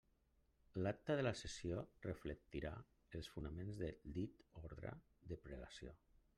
L'acta de la sessió reflectirà els fonaments del dit orde de prelació.